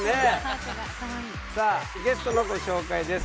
さあゲストのご紹介です。